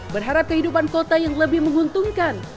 berharap kehidupan kota yang lebih menguntungkan